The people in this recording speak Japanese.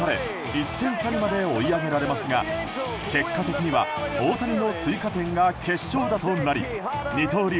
１点差にまで追い上げられますが結果的には大谷の追加点が決勝打となり二刀流